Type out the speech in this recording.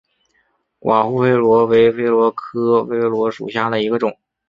寡妇榧螺为榧螺科榧螺属下的一个种。